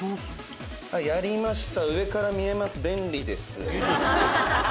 「やりました」